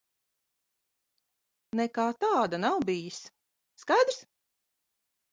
Nekā tāda nav bijis. Skaidrs?